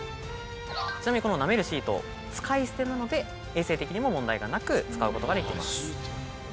ちなみにこの舐めるシート使い捨てなので衛生的にも問題がなく使うことができます。